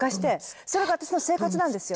それが私の生活なんですよ。